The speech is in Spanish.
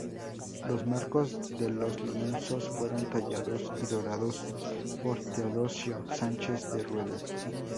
Los marcos de los lienzos fueron tallados y dorados por Teodosio Sánchez de Rueda.